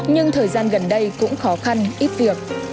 nhưng thời gian gần đây cũng khó khăn ít việc